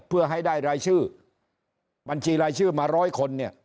เพื่อให้ได้รายชื่อบัญชีรายชื่อมาร้อยคนเนี่ย